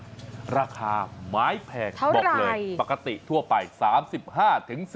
ได้เลือกทานราคาไม้แพงเท่าไหร่บอกเลยปกติทั่วไป๓๕๔๐บาท